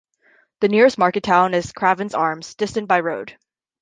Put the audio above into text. The nearest market town is Craven Arms, distant by road.